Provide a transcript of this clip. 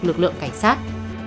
lực lượng cảnh sát